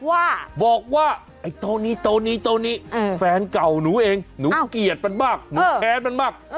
ว่าบอกว่าไอ้โต๊ะนี้โต๊ะนี้โต๊ะนี้แฟนเก่าหนูเองหนูเกลียดมันมากหนูแค้นมันมาก